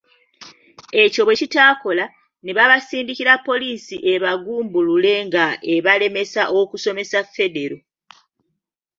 Ekyo bwekitaakola, nebabasindikira Poliisi ebagumbulule nga ebalemesa “okusomesa Federo”.